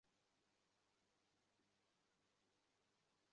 আমি ওকে ভালোবাসি!